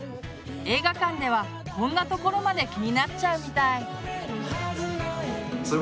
映画館ではこんなところまで気になっちゃうみたい。